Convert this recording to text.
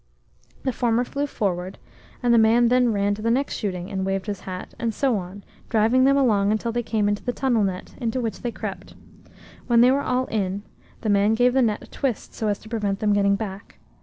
The former flew forward, and the man then ran to the next shooting, and waved his hat, and so on, driving them along until they came into the tunnel net, into which they crept. When they were all in, the man gave the net a twist, so as to prevent them getting back.